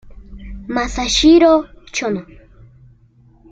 Masahiro Chono